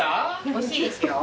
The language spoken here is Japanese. おいしいですよ。